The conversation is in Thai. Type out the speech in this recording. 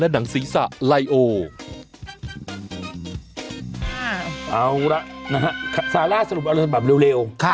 เอาล่ะสาระสรุปเร็ว